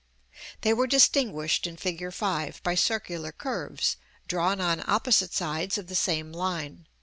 They were distinguished in Fig. V. by circular curves drawn on opposite sides of the same line.